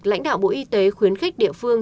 lãnh đạo bộ y tế khuyến khích địa phương